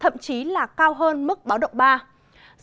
và cao hơn mức báo động ba